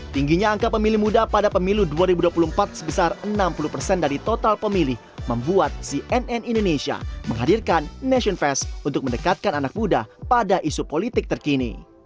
tingginya angka pemilih muda pada pemilu dua ribu dua puluh empat sebesar enam puluh persen dari total pemilih membuat cnn indonesia menghadirkan nation fest untuk mendekatkan anak muda pada isu politik terkini